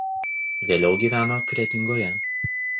Vėliau gyveno Kretingoje.